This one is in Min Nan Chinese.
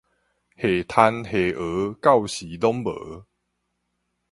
下蟶下蚵，到時攏無